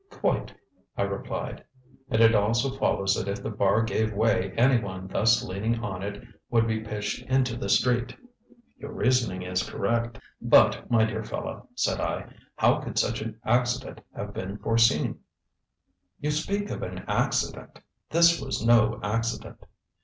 ŌĆØ ŌĆ£Quite, ŌĆØ I replied, ŌĆ£and it also follows that if the bar gave way anyone thus leaning on it would be pitched into the street. ŌĆØ ŌĆ£Your reasoning is correct. ŌĆØ ŌĆ£But, my dear fellow, ŌĆØ said I, ŌĆ£how could such an accident have been foreseen? ŌĆØ ŌĆ£You speak of an accident. This was no accident!